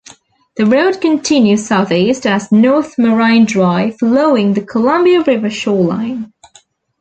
The road continues southeast as North Marine Drive, following the Columbia River shoreline.